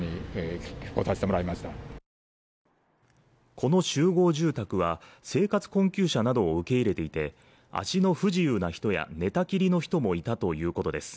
この集合住宅は生活困窮者などを受け入れていて足の不自由な人や寝たきりの人もいたということです